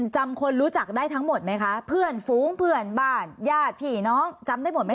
จำคนรู้จักได้ทั้งหมดไหมคะเพื่อนฝูงเพื่อนบ้านญาติพี่น้องจำได้หมดไหม